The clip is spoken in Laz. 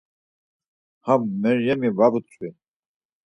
Ham, Meryemi va vutzvi.